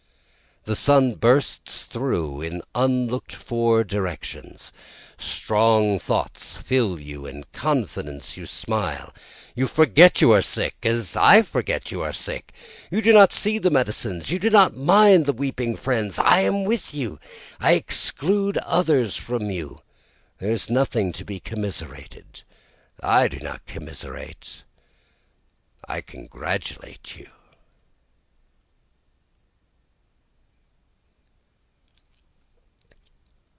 The sun bursts through in unlooked for directions, Strong thoughts fill you and confidence, you smile, You forget you are sick, as I forget you are sick, You do not see the medicines, you do not mind the weeping friends, I am with you, I exclude others from you, there is nothing to be commiserated, I do not commiserate, I congratulate you.